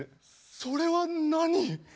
それは何？